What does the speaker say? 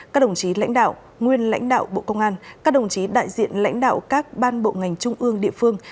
các đồng chí lãnh đạo nguyên lãnh đạo bộ công an các đồng chí đại diện lãnh đạo các ban bộ ngành trung ương địa phương